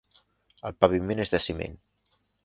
El paviment és de ciment.